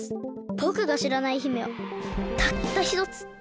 ぼくがしらない姫はたったひとつ。